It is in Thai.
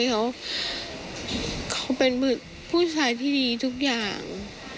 เขาเป็นผู้ชายที่ดีทุกอย่าง